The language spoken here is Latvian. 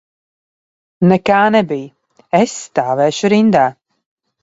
Nekā nebija, es stāvēšu rindā.